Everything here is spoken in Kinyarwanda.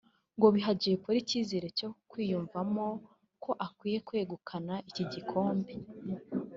ngo biha Jay Polly icyizere cyo kwiyumvamo ko akwiye kwegukana iki gikombe